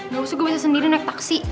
gak usah gue bisa sendiri naik taksi